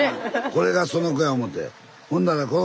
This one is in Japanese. これがその子や思て。